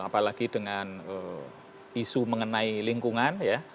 apalagi dengan isu mengenai lingkungan ya